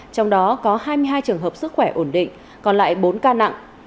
trong đó có hai mươi hai trường hợp sức khỏe ổn định còn lại bốn ca nặng